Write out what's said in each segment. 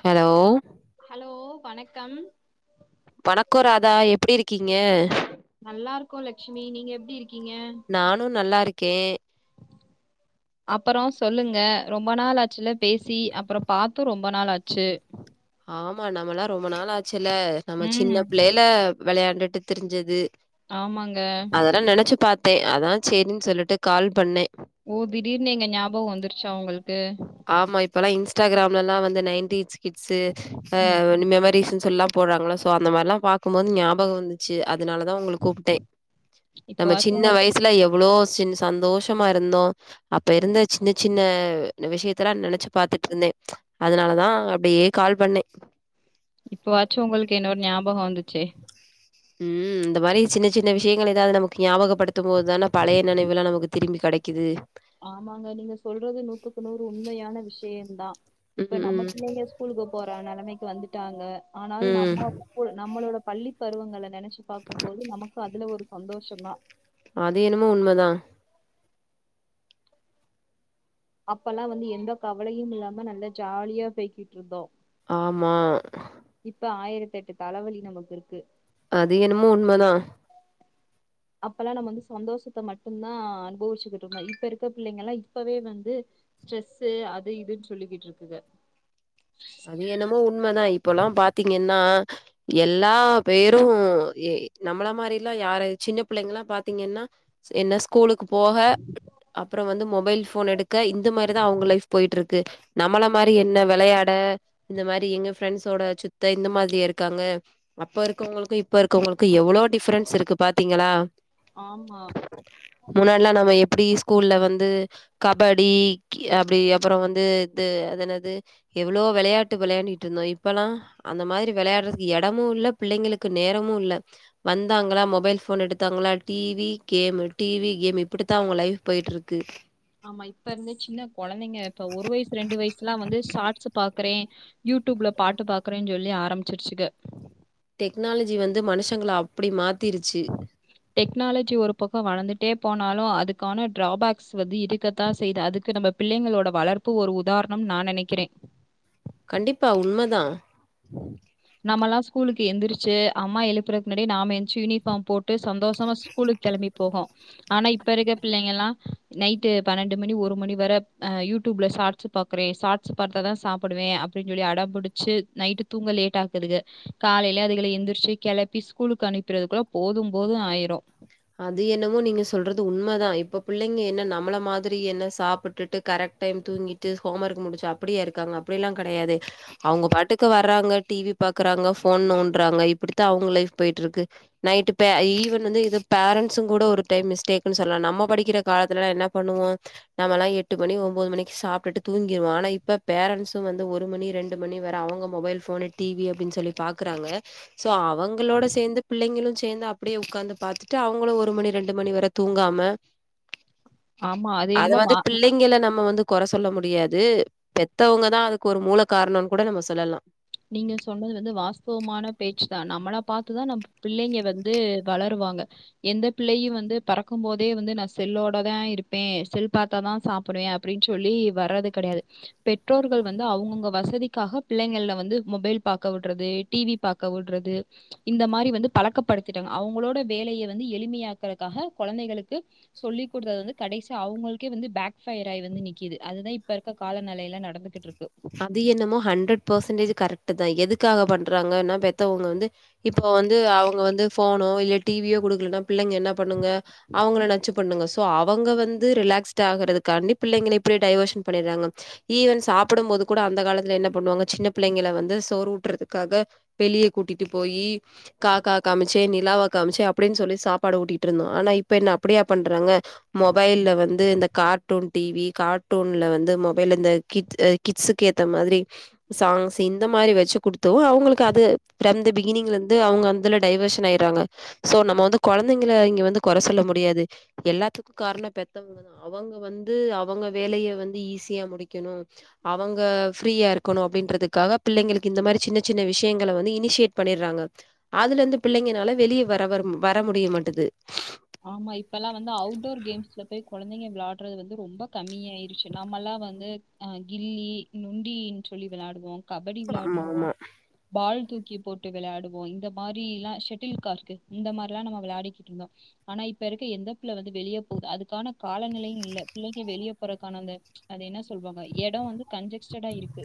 Hello hello வணக்கம் வணக்கோ ராதா எப்டி இருக்கீங்க நல்லா இருக்கோ லட்சுமி நீங்க எப்டி இருக்கீங்க நானு நல்லா இருக்கே [unintelligible] அப்பற சொல்லுங்க ரொம்ப நாள் ஆச்சுல பேசி அப்பற பாத்து ரொம்ப நாள் ஆச்சு ஆமா நம்மல்லா ரொம்ப நாள் ஆச்சுல்ல நம்ம ம் சின்ன பிள்ளைல வெளயாண்டுட்டு திரிஞ்சது ஆமாங்க அதல்லா நெனைச்சு பாத்தே அதா சேரின்னு சொல்லிட்டு கால் பண்ணே ஓ திடீர்னுு எங்க ஞாபக வந்துருச்சா உங்களுக்கு ஆமா இப்பல்லா இன்ஸ்டாகிராம்ல எல்லா வந்து நைன்டீ கிட்ஸ்சு ம் மெமரிஸ்னு சொல்லா போறாங்கள அந்த மாரில்லா பாக்கும்போது ஞாபக வந்து ச்சு அதுனாலதா உங்கள கூப்ட்ட நம்ம இப்பவாச்சு சின்ன உங்களுக் வயசு ல எவ்ளோ சின் சந்தோஷமா இருந்தோ அப்ப இருந்த சின்ன சின்ன இந்த விஷயத்தலா நெனைச்சு பாத்துட்டுருந்தே அதனாலதா அப்டியே கால் பண்ணே இப்பவாச்சு ஒங்களுக்கு என்னோட ஞாபக வந்துச்சே ம் இந்த மாரி சின்ன சின்ன விஷயங்கள் ஏதாவது நமக்கு ஞாபகப் படுத்த போது தான பழைய நெனைவெல்லா நமக்கு திரும்பி கெடைக்குது ஆமாங்க நீங்க சொல்றது நூத்துக்கு நூறு உண்மையான விஷயந்தா இப்ப ம் நம்ம ம் இங்க ஸ்கூலுக்கு போற நிலைமைக்கு வந்துட்டாங்க ஆனால் ம் நம்ம நம்மளோட பள்ளி பருவங்கள நினைச்சு பாக்கும் போது நமக்கு அதுல ஒரு சந்தோஷ தா அது என்னமோ உண்மதா அப்பல்லா வந்து எந்த கவலையு இல்லாம நல்லா ஜாலியா பேய்கிட்டு இருந்தோ ஆமா இப்ப ஆயிரத்தி எட்டு தலைவலி நமக்கு இருக்கு அது என்னமோ உண்மதா அப்பெல்லா நம்ம வந்து சந்தோஷத்த மட்டும்தா அனுபவிச்சுக்கிட்டு இருந்தோ இப்ப இருக்க பிள்ளைங்க எல்லா இப்பவே வந்து ஸ்ட்ரெஸ்ு அது இதுன்னு சொல்லிக்கிட்டு இருக்குங்க அது என்னமோ உண்மதா இப்பல்லா பாத்தீங்கன்னா எல்லா பேரு நம்மள மாதிரல்லா யார சின்ன பிள்ளைங்கல்லா பாத்தீங்கன்னா என்ன ஸ்கூலுக்கு போக அப்பற வந்து மொபைல் போன் எடுக்க இந்த மாதிரிதா அவங்க லைஃப் போயிட்டு இருக்கு நம்மள மாதிரி என்ன விளையாட இந்த மாதிரி எங்க ஃப்ரெண்ட்ஸோட சுத்த இந்த மாதிரியா இருக்காங்க அப்ப இருக்கவங்களுக்கும் இப்ப இருக்கவங்களுக்கும் எவ்ளோ டிஃரென்ஸ் இருக்கு பாத்தீங்களா ஆமா முன்னாடி எல்லா நம்ம எப்டி ஸ்கூல்ல வந்து கபடி அப்டி அப்பற வந்து இது அது என்னது எவ்ளோ வெளயாட்டு வெளயாண்டிட்டு இருந்தோ இப்பல்லா அந்த மாரி வெளயாடுறதுக்கு எடமு இல்ல பிள்ளைங்களுக்கு நேரமு இல்ல வந்தாங்களா மொபைல் ஃபோன் எடுத்தாங்ளா டிவி கேமு டிவி கேமு இப்டித்தா அவங்க லைஃப் போயிட்டு இருக்கு ஆமா இப்ப இருந்தே சின்ன கொழந்தைங்க இப்ப ஒரு வயசு ரெண்டு வயசுலா வந்து ஷாட்ஸு பாக்குறே யூடூப்ல பாட்டு பாக்குறன்னு சொல்லி ஆரம்பிச்சிருச்சுக டெக்னாலஜி வந்து மனுஷங்கள அப்டி மாத்திருச்சு [unintelligible] டெக்னாலஜி ஒரு பக்க வளந்துட்டே போனாலு அதுக்கான டிரராபேக்ஸ் வந்து இருக்கத்தா செய்து அதுக்கு நம்ம பிள்ளைங்களோட வளர்ப்பு ஒரு உதாரண நா நினைக்கிற கண்டிப்பா உண்மதா நம்மல்லா ஸ்கூலுக்கு எந்திரிச்சு அம்மா எழுப்புறது முன்னாடி நாம எந்தந்துச்சு யூனிஃபார்ம் போட்டு சந்தோஷமா ஸ்கூலுக்கு கிளம்பி போகு ஆனா இப்ப இருக்க பிள்ளைங்க எல்லா நைட பன்னெண்டு மணி ஒரு மணி வர அ யூடியூப்ல சார் ச்சு பாக்றே சார்ட்ஸ் பாத்தா தா சாப்டுவே அப்டின் சொல்லி அடம் புடிச்சு நைட்டு தூங்கலேட் டாக்குதுக காலைல அதுகள எந்திருச்சு கெளப்பி ஸ்கூலுக்கு அனுப்பிறதுக்குள்ள போது போது ஆய்ரு அது என்னமோ நீங்க சொல்றது உண்மதா இப்ப பிள்ளைங்க என்ன நம்மள மாதிரி என்ன சாப்ட்டுட்டு கரெக்ட் டைம் தூங்கிட்டு ஹோம் ஒர்க் முடிச்சு அப்டியா இருக்காங்க அப்டியெல்லா கெடையாதே அவங்க பாட்டுக்கு வர்றாங்க டிவி பாக்குறாங்க ஃபோன் நோன்றாங்க இப்டித்தா அவங்க லைஃப் போய்ட்டுருக்கு நைட்டு பே ஈவன் வந்து இ பேரண்ட்ஸு கூட ஒரு டைம் மிஸ்டேக்ன் சொல்லலா நம்ம படிக்கிற காலத்துலலா என்ன பண்ணுவோ நம்மல்லா எட்டு மணி ஒன்பது மணிக்கு சாப்ட்டு தூங்கிடுவோ ஆன இப்ப பேரண்ட்ஸு வந்து ஒரு மணி ரெண் எட்டு மணி வர அவங்க மொபைல் ஃபோனு டிவி அப்டின் சொல்லி பாக்குறாங்க சோ அவங்களோட சேந்து பிள்ளைங்களு சேந்து அப்டியே உக்காந்து பாத்து அவங்களு ஒரு மணி ரெண்டு மணி வர தூங்காம ஆமா அது அத என்னமோ வந்து வா பிள்ளை ங்கள நம்ம வந்து கொற சொல்ல முடியாது பெத்தவங்க தா அதுக்கு ஒரு மூல காரணம்ன் கூட நம்ம சொல்லலா நீங்க சொன்னது வந்து வாஸ்தவமான பேச்சு தா நம்மள பாத்துதா நம்ப பிள்ளைங்க வந்து வளருவாங்க எந்த பிள்ளையு வந்து பெறக்கு போதே வந்து நா செல்லோடதா இருப்பே செல் பாத்தா தா சாப்டுவே அப்டின் சொல்லி வர்றது கெடையாது பெற்றோர்கள் வந்து அவங்கவங்க வசதிக்காக பிள்ளைங்கள்ல வந் வந்து மொபைல் பாக்க விடுறது டிவி பாக்க விடுறது இந்த மாரி வந்து பழக்கப்படுத்திட்டாங்க அவங்களோட வேலைய வந்து எளிமையாக்குறதுக்காக கொழந்தைகளுக்கு சொல்லி் குடுத்தது வந்து கடைசி அவங்களுக்கே வந்து பேக் ஃபயர் ஆயி வந்து நிக்குது அதுதா இப்ப த்த காலநிலைல நடந்துகிட்ருக்கு அது என்னமோ ஹண்ட்ரட் பர்சன்டேஜ் கரெக்ட்தா எதுக்காக பண்றாங்கன்னா பெத்தவங்க வந்து இப்போ வந்து அவங்க வந்து ஃபோனோ இல்ல டிவியோ குடுக்கலனா பிள்ளைங்க என்ன பண்ணுங்க அவங்கள நச்சு பண்ணுங்க அவங்க வந்து ரிலாக்ஸ்ட் ஆகறதுக்காண்டி பிள்ளைங்கள இப்டியே டைவர்ஷன் பண்ணிடுறாங்க ஈவன் சாப்டு போது கூட அந்த காலத்துல என்ன பண்ணுவாங்க சின்ன பிள்ளைங்கள வந்து சோறு ஊட்றதுக்காக வெளிய கூட்டிட்டு போயி காக்கா காமிச்சே நிலாவா காமிச்சே அப்டின் சொல்லி சாப்பாடு ஊட்டிட்டு இருந்தோ ஆனா இப்ப என்ன அப்டியா பண்றாங்க மொபைல்ல வந்து இந்த கார்ட்டூன் டிவி கார்ட்டூன்ல வந்து மொபைல் இந்த கிட்ஸு கிட்ஸ்சுக்கு ஏத்த மாதிரி சாங்ஸ் இந்த மாரி வச்சு குடுத் தோ அவங்களுக்கு அது ஃபிரம் த பிகினிங்லருந்து அவங்க அதுல டைவர்ஷன் ஆய்றாங்க சோ நம்ம வந்து கொழந்தைங்கள இங்க வந்து கொற சொல்ல முடியாது எல்லாத்துக்கு காரண பெத்தவங்கதா அவங்க வந்து அவங்க வேலைய வந்து ஈஸியா முடிக்கணு அவங்க ஃப்ரீயா இருக்கணு அப்டின்றதுக்காக பிள்ளைங்களுக்கு இந்த மாரி சின்ன சின்ன விஷயங்கள வந்து இனிஷியேட் பண்ணிட்றாங்க அதுலருந்து பிள்ளைங்கனால வெளிய வர வர வர முடிய மாட்டது ஆமா இப்பல்லா வந்து அவுட்டோர் கேம்ஸ்ல போய் கொழந்தைங்க விளையாடுறது வந்து ரொம்ப கம்மியாய்ருச்சு நம்மல்லா வந்து அ கில்லி நுண்டின் சொல்லி விளாடுவோ கபடி ஆமா விளாடுவோ ஆமா. பால் தூக்கி போட்டு விளாடுவோ இந்த மாரில்லா ஷட்டில்காக் இருக்கு இந்த மாரில்லா நம்ம விளாடிக்கிட் இருந்தோ ஆனா இப்ப இருக்க எந்த பிள்ள வந்து வெளிய போது அதுக்கான காலநிலையு இல்ல பிள்ளைங்க வெளிய போறதுக்கானந்த அது என்ன சொல்லுவாங்க இடம் வந்து கஞஜெஸ்டடா இருக்கு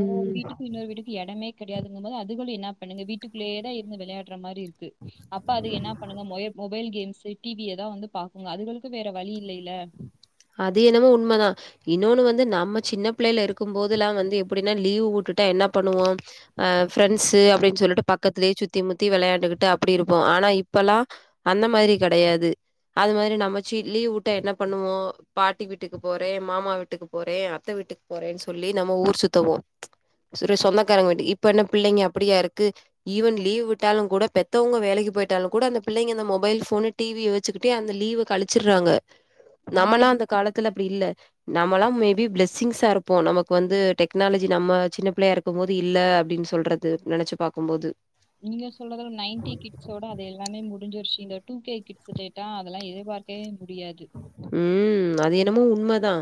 ஒவ்வொரு வீட்டுக்கு இன்னொரு வீட்டுக்கு எடமே கெடையாதுங்க போது அதுகளு என்னா பண்ணுங்க வீட்டுக்குள்ளயே தா இருந்து விளாடுற மாரி இருக்கு அப்ப அதுக என்னா பண்ணுங்க மொயபோ அட்டல் கேம்ஸ் டிவியதா வந்து பாக்குங்க அதுகளுக்கு வேற வழி இல்லைல்ல அது என்னமோ உண்மைதா இன்னொன்னு வந்து நம்ம சின்ன பிள்ளைைல இருக்கு போதுலா வந்து எப்டின்னா லீவு உட்டுட்டா என்ன பண்ணுவோ அ ஃப்ரெண்ட்ஸ்சு அப்டின் சொல்ட்டு பக்கத்துலயே சுத்தி முத்தி விளையாண்டுக்கிட்டு அப்டி இருப்போ ஆனா இப்பல்லா அந்த மாரி கெடையாது அது மாரி நம்மச்சி லீவ் விட்டா என்ன பண்ணுவோ பாட்டி வீட்டுக்கு போறே மாமா வீட்டுக்கு போறே அத்த வீட்டுக்கு போறேன் சொல்லி நம்ம ஊர் சுத்துவோ ச சொந்தக்காரங்க வீட்டுக்கு இப்ப என்ன பிள்ளைங்க அப்படியா இருக்கு ஈவன் லீவ் விட்டாலு கூட பெத்தவுங்க வேலைக்கி போயிட்டாலு கூட அந்த பிள்ளைங்க அந்த மொபைல் போனு டிவிய வச்சுக்கிட்டே அந்த லீவ கழிச்சிறாங்க [inaudible] நம்மல்லா அந்த காலத்துல அப்டி இல்ல நம்மளா மெபி பிளெஸிங்ஸா இருப்போ நமக்கு வந்து டெக்னாலஜி நம்ம சின்ன பிள்ளையா இருக் போது இல்ல அப்டின்னு சொல்றது நெனைச்சு பாக்குபோது நீங்க சொல்றது எல்லா நைன்டி கிட்ஸ்ஸோட அது எல்லாமே முடிஞ்சிருச்சு இந்த டூ கே கிட்ஸ் கேட்டா அதெல்லா எதிர்பார்க்கவே முடியாது உ அது என்னமோ உண்மைதா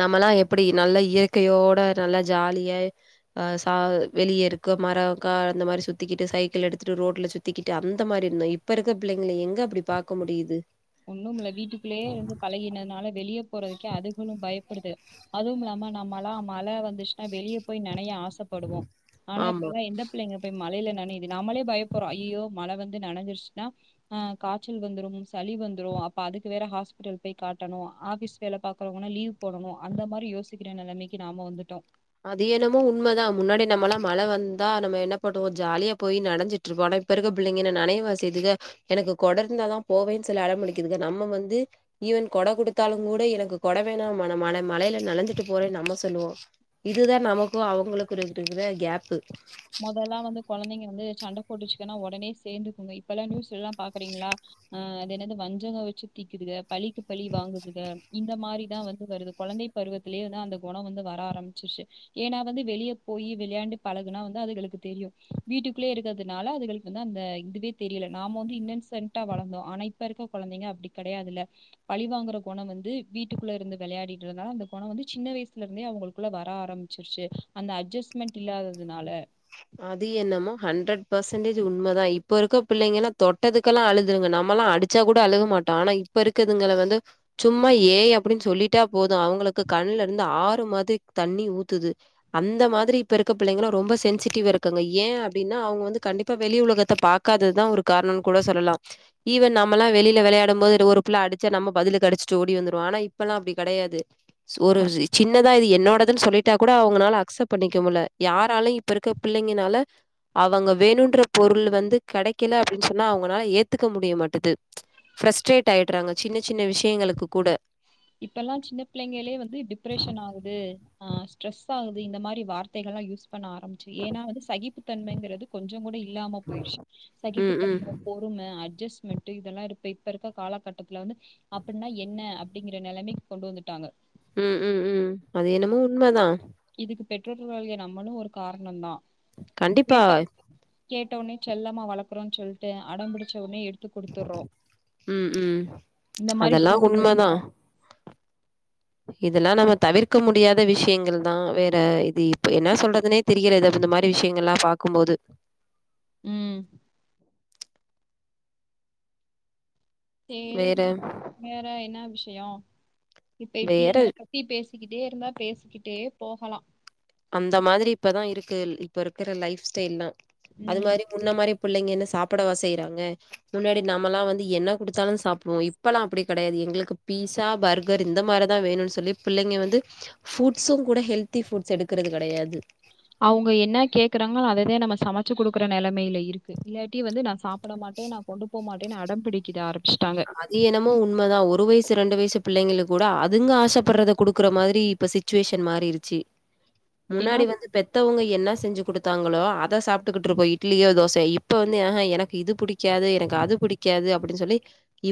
நம்மல்லா எப்படி நல்ல இயற்கையோட நல்ல ஜாலிய அ ச வெளிய இருக்க மரம்க்கா அந்த மாறி சுத்திகிட்டு சைக்கிள் எடுத்துட்டு ரோட்ல சுத்தி சுத்திக்கிட்டு அந்த மாதிரி இருந்தோ இப்ப இருக்க பிள்ளைங்கள எங்க அப்டி பாக்க முடியுது ஒண்ணு இல்ல வீட்டுக்குள்ளயே இருந்து பழகினதுனால வெளிய போறதுக்கே அதுகளு பயப்படுதுக அதுவு இல்லாம நம்ம எல்லா மழ வந்துச்சுன்னா வெளிய போய் நனைய ஆசைப்படுவோ ஆனா ஆமா. இப்பல்லா என்னப் பிள்ளைங்க போய் மழையில நனையுது நாமளே பயபடறோ ஐயோ மழை வந்து நனஞ்சிருச்சுன்னா அங் காச்சல் வந்துரு சளி வந்துரு அப்ப அதுக்கு வேற ஹாஸ்பிட்டல் போய் காட்டணு ஆபிஸ் வேலை பாக்குறவன்னா லீவ் போடணு அந்த மாரி யோசிக்கிற நெலமைக்கி நாம வந்துட்டோ அது என்னமோ உண்மைதா முன்னாடி நம்மல்லா மழை வந்தா நம்ம என்ன பண்ணுவோ ஜாலியா போயி நனஞ்சிட் ற்றுபோ ஆனா இப்ப இருக்க பிள்ளைங்க என்ன நினையவா சேயிதுங்க எனக்கு கொடர்ந்தா தா போவேன்னு சொல்லி அடம் பிடிக்குதுங்க நம்ம வந்து ஈவன் கொட குடுத்தாலு கூட எனக்கு கொட வேணாம்மா நா மன மழையில நலஞ்சிட்டு போறேன்னு நம்ம சொல்லுவோ இதுதா நமக்கு அவங்களுக்கு இரு இருக்குற கேப்பு முதல்லா வந்து குழந்தைங்க வந்து சண்டை போட்டுச்சுக்கன்னா உடனே சேர்ந்துக்குங்க இப்பல்லா நியூஸ் எல்லாம பாக்குறீங்களா அ அது என்னது வஞ்சங்க வச்சு தீக்குதுங்க பழிக்கு பழி வாங்குதுங்க இந்த மாறிதா வந்து வருது கொழந்த பருவத்திலேயே வந்து அந்த குணோ வந்து வர ஆரம்பிச்சிருச்சு ஏன்னா வந்து வெளிய போயி விளையாண்டு பழகுனா வந்து அதுகளுக்கு தெரியு வீட்டுக்குள்ளயே இருக்கறதுனால அதுகளுக்கு வந்து அந்த இதுவே தெரியல நாம்ம வந்து இன்னச கரக்டா வளந்தோ ஆனா இப்ப இருக்க கொழந்தைங்க அப்படி கிடையாதுல்ல பழிவாங்கற குணோ வந்து வீட்டுக்குள்ள இருந்து விளையாடிட்டு இருந்தாலு அந்த குணோ வந்து சின்ன வயசுல இருந்தே அவங்களுக்குள்ள வர ஆரம்பி சேரி சேரி அந்த அட்ஜஸ்மென்ட் இல்லாததுனால அது என்னமோ ஹண்ட்ரட் பெர்சன்டேஜ் உண்மைதா இப்ப இருக்க பிள்ளை எல்லா தொட்டத்துக்கெல்லா அழுதுங்க நம்மளாம் அடி ச்சா கூட அழுக மாட்டோ ஆனா இப்ப இருக்கதுங்க வந்து சும்மா ஏய் அப்டின்னு சொல்லிட்டா போது அவங்களுக்கு கண்ல இருந்து ஆறு மாதிரி தண்ணி ஊத்துது அந்த மாதிரி இப்ப இருக்க பிள்ளைங்களு ரொம்ப சென்சிட்டிவ் தீவு இருக்குங்க ஏன் அப்படின்னா அவுங்க வந்து கண்டிப்பா வெளி உலகத்தை பாக்காததுதான் ஒரு காரணம்னு கூட சொல்லலா ஈவன் நம்மல்லா வெளில விளையாடு போது ஒரு புள்ள அடிச்சா நம்ம பதிலுக்கு அடிச்சுட்டு ஓடி வந்துருவோ ஆன இப்பலா அபடி கிடையாது சோறு ஒரு சின்னதா இது என்னோடதுன்னு சொல்லிட்டா கூட அவங்கனால அக்சப் பண்ணிக்க முல்ல யாராலயு இப்ப இருக்க பிள்ளைங்கனால அவுங்க வேணுன்ற பொருள் வந்து கெடைக்கல அப்டின்னு சொன்னா அவுங்கனால ஏத்துக்க முடிய மாட்டுது ஃபிரஸ்ட்ரேட் ஆயிட்றாங்க சின்ன சின்ன விஷயங்களுக்கு கூட இப்பல்லா சின்ன பிள்ளைங்களே வந்து டிப்ரஷன் ஆகுது அ ஸ்ட்ரெஸ் ஆகுது இந்த மாறி வார்த்தைகள் லா யூஸ் பண்ண ஆரம்பிச்சு ஏன்னா வந்து சகிப்பு தன்மைங்கிறது கொஞ்சோ கூட இல்லாம போயிடுச்சு ம், ம். சகிப்புத்தன்மை பொறும அஜஸ்மெண்ட்டு இதெல்லா இருப்ப இப்ப இருக்க காலகட்டத்துல வந்து அப்டின்னா என்ன இந்த நெலமைக்கு கொண்டு வந்துட்டாங்க ம் ம் ம் அது என்னமோ உண்மதா இதுக்கு பெற்றோர்களாகிய நம்மளு ஒரு காரணொந் தா கண்டிப்பா கேட்டோனே செல்லமா வளக்குறோன் சொல்ட்டு அடம் புடிச்சவுனே எடுத் த்து குடுத்துற்றோ ம், ம். இந்த மாரி அதெல்லாம் சூழ்நிலை ல இதலா நம்ம தவிர்க்க முடியாத விஷ்யங்கள் தா வேற இது இப்ப என்னா சொல்றதுனே தெரிகிறது அப இந்த மாரி விஷ்யங்கள்லா பாக்குபோது ம் சேரிங்க வேற வேற என்னா விஷயோ இப்பை வேற பிள்ளைங்கள பத் த்தி பேசிக்கிட்டே இருந்தா பேசிக்கிட்டே போகலா அந்த மாரி இப்பதா இருக்கு இப்ப இருக்குற லைஃப் ஸ்டைல்லா அது ம் மாரி முன்ன மாரி புள்ளைங்க என்ன சாப்புடவா செய்றாங்க முன்னாடி நாம்மல்லா வந்து என்ன குடுத்தாலு சாப்டுவோ இப்பல்லா அப்டி கெடையாது எங்களுக்கு பீஸா பர் கர் இந்த மாரிதா வேணுன் சொல்லி பிள்ளைங்க வந்து ஃபுட்ஸ்சு கூட ஹெல்தி ஃபுட்ஸ் எடுக்கறது கெடையாது அவுங்க என்னா கேக்குறாங்களோ அததே நம்ம சமச்சு குடுக்குற நெலமைல இருக்கு இல்லாட்டி வந்து நா சாப் ப்புட மாட்டே நா கொண்டு போமாட்டேன்னு அடம் புடிக்கிறார் அ அது என்னமோ உண்மதா ஒரு வயசு ரெண்டு வயசு பிள்ளைங்களுக்கு கூட அதுங்க ஆசப்பற்றத குடுக்குற மாதிரி இப்ப சி சுச்சுவேஷன் மாறிருச்சு [inaudible] முன்னாடி வந்து பெத் த்தவுங்க என்னா செஞ்சு குடுத்தாங்களோ அத சாப்ட்டுக்கிட்டு இருப்போ இட்லியோ தோசயோ இப்ப வந்து ஆஹ எனக்கு இது புடி க்காது எனக்கு அது புடிக்காது அப்புடின் சொல்லி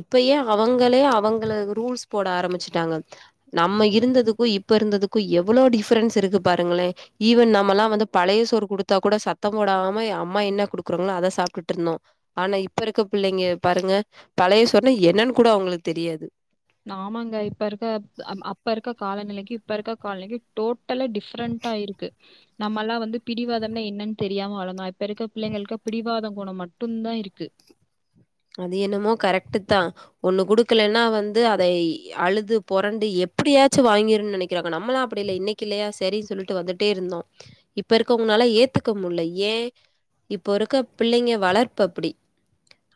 இப்பயே அவங்களே அவங்கள ரூல்ஸ் போட ஆரம்பிச்சுட்டாங்க நம்ம இருந்ததுக்கு இப்ப இருந்ததுக்கு எவளோ டிஃபரன்ஸ் இருக்கு பாருங்களே ஈவன் நம்மல்லா வந்து பழைய சோறு குடுத்தா கூட சத்தொ போடாம அம்மா என்ன குடுக்குறாங்களோ அத சாப்ட்ருந்தோ ஆனா இப்ப இருக்க பிள்ளைங்க பாருங்க பழைய சோறுன்னா என்னன் கூட அவுங்களுக்கு தெரியாது ஆமாங்க இப்ப இருக்க அப்ப இருக்க காலநிலைக்கு இப்ப இருக்க காலநிலைக்கு டோ ட்டலா டிஃப்ரண்ட்டாயிருக்கு நம்மல்லா வந்து பிடிவாதம்னா என்னன் தெரியாம வளந்தோ இப்ப இருக்க பிள்ளைங்களுக்கு பிடிவாதொ கொணொ மட்டுந்தா இருக்கு அது என்னமோ கரெக்ட்டுத் தா ஒண்ணு குடுக்கலன்னா வந்து அதை அழுது பொரண்டு எப்புடியாச்சு வாங்கிருன் நெனைக் கிளாங்க நம்மளா அப்டி இல்ல இன்னக்கி இல்லயா சரி சொல்லிட்டு வந்துட் டே இருந்தோ இப்ப இருக்கவ்னங்கனால ஏத்துக்க முட்ல ஏ இப்போ இருக்க பிள்ளைங்க வளர்ப்பு அப்புடி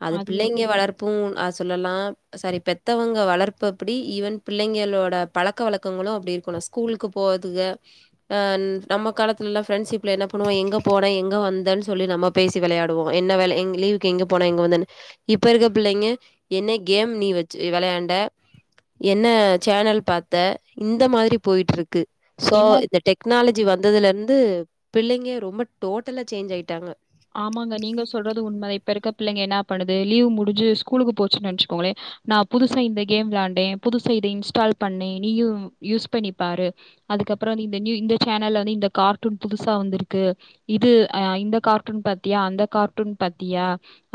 அது பிள்ளைங்க வளர்ப்பு அ சொல்லலா சாரி பெத்தவங்க வளர்ப்பு அப்டி ஈவன் பிள்ளைங்களோட பழக்க வழக்கங்களு அப்டி இருக்கணு கூலுக்கு போகுதுக அ நம்ம காலத்துலல்லா ஃப்ரெண்ட்ஷிப்ல என்ன பண்ணுவோ எங்க போன எங்க வந்தன் சொல்லி நம்ம பேசி விளையாடுவோ என்ன வெல எங் லீவுக்கு எங்க போன எங்க வந்தனு இப்ப இருக்க பிள்ளைங்க என்ன கேம் நீ வச்சு விளையாண்ட என்ன சேனல் பாத்த இந்த மாரி போயிட்ருக்கு சோ என்ன இந்த டெக்னாலஜி வந்ததுல இருந்து பிள்ளைங்க ரொம்ப டோட்டலா சேஞ்ச் ஆயிட்டாங்க ஆமாங்க நீங்க சொல்றது உண்ம இப்ப இருக்க பிள்ளைங்க என்னா பண்ணுது லீவ் முடுஞ்சு ஸ்கூலுக்கு போச்சுன் நெனச்சுக்கோங்களே நா புதுசா இந்த கேம் விளாண்டே புதுசா இத இன்ஸ்டால் பண்ணே நீயு யூஸ் பண்ணிப்பாரு அதுக்கப்பறோ இந்த நியூ இந்த சேனல்ல வந்து இந்த கார்ட்டூன் புதுசா வந்துருக்கு இது அ இந்த கார்ட் டூன் பாத்தியா அந்த கார்ட்டூன் பாத்தியா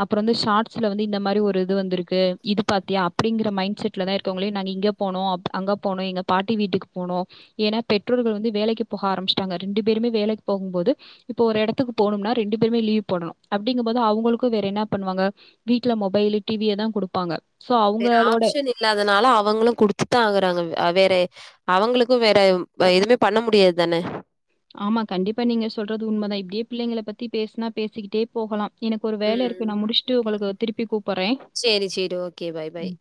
அப்றோ வந்து ஷாட்ஸ்ல வந்து இந்தமாரி ஒரு இது வந்துருக்கு இது பாத்தியா அப்டிங்கிற மைண்ட் செட்லதா இருக்கோங்ளே நாங்க இங்க போனோ அப் அங்க போனோ எங்க பாட்டி வீட்டுக்கு போனோ எனா பெற்றோர்கள் வந்து வேலைக்கு போக ஆரமிஸ்ட்டாங்க ரெண்டு பேருமே வேலைக் போகும்போது இப்ப ஒரு எடத்துக்கு போனும்னா ரெண்டு பேருமே லீவ் போடணு அப்டிங்கும்போது அவுங்குளுக்கு வேற என்ன பண்ணுவாங்க வீட்ல மொபைலு டி வியதா குடுப்பாங்க சோ வேற அவங்களோட ஆப்ஷன் இல்லாதனால அவங்களு குடுத்துதா ஆகறாங்க அ வேற அவங்களுக்கு வேற எதுமே பண்ண முடியாத்தான ஆமா கண்டிப்பா நீங்க சொல்றது உண்மதா இப்டியே பிள்ளைங்கள பத்தி பேசுனா பேசிக்கிட்டே போகலா எனக்கு ஒரு வேல இருக்கு ம் நா முடிஸ்டு உங்களுக்கு திருப்பி கூப் சேரி சேரி ஓகே பாய் பாய்